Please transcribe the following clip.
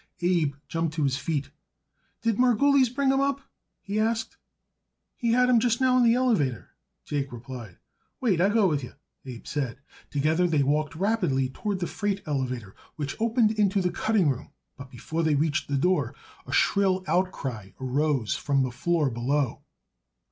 Abe jumped to his feet. "Did Margulies bring 'em up?" he asked. "He had 'em just now on the elevator," Jake replied. "Wait, I go with you," Abe said. Together they walked rapidly toward the freight elevator, which opened into the cutting room, but before they reached the door a shrill outcry rose from the floor below.